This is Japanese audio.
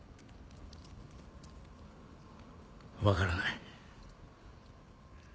分からない。